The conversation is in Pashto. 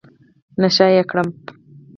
نشه يي کړم.